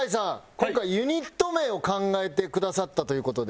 今回ユニット名を考えてくださったという事で。